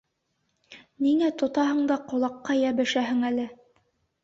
Ниңә тотаһың да ҡолаҡҡа йәбешәһең әле?